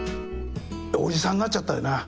おじさんになっちゃったよな。